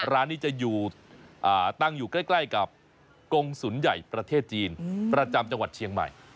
ร้านนี้จะอยู่ตั้งอยู่ใกล้กับกงศูนย์ใหญ่ประเทศจีนประจำจังหวัดเชียงใหม่